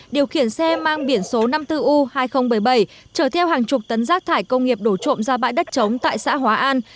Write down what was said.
điều khiển xe mang biển số năm mươi bốn u hai nghìn bảy mươi bảy chở theo hàng chục tấn rác thải công nghiệp đổ trộm ra bãi đất chống tại xã hóa an